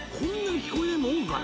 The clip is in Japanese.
聞こえんもんかね？